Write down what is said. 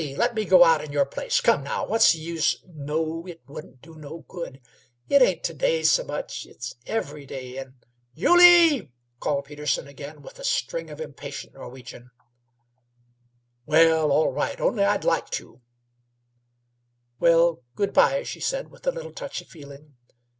let me go out in your place. Come, now; what's the use " "No; it wouldn't do no good. It ain't t'day s' much; it's every day, and " "Yulie!" called Peterson again, with a string of impatient Norwegian. "Batter yo' kom pooty hal quick." "Well, all right, only I'd like to " Rob submitted. "Well, good by," she said, with a little touch of feeling.